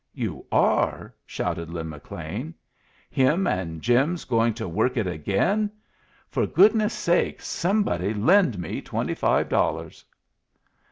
"You are?" shouted Lin McLean. "Him and Jim's going to work it again! For goodness' sake, somebody lend me twenty five dollars!"